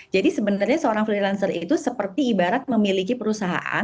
jadi sebenarnya seorang freelancer itu seperti ibarat memiliki perusahaan